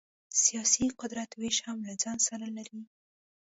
سیاسي قدرت وېش هم له ځان سره لري.